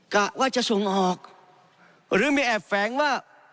กะว่าจะส่งออกหรือไม่แอบแฝงว่า